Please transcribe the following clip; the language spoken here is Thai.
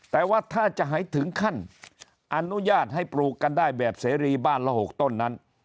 แต่ว่าถ้าจะให้ถึงขั้นอนุญาตให้ปลูกกันได้แบบเสรีบ้านละ๖ต้นนั้น